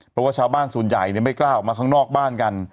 เพราะว่าชาวบ้านส่วนใหญ่ไม่กล้าออกมาข้างนอกบ้านกัน